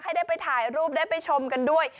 ให้ได้ไปถ่ายรูปได้ไปชมกันด้วย